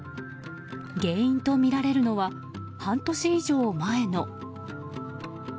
原因とみられるのは半年以上前の。